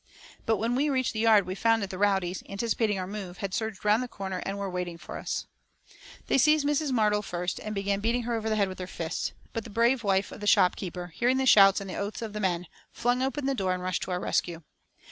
But when we reached the yard we found that the rowdies, anticipating our move, had surged round the corner, and were waiting for us. They seized Mrs. Martel first, and began beating her over the head with their fists, but the brave wife of the shopkeeper, hearing the shouts and the oaths of the men, flung open the door and rushed to our rescue.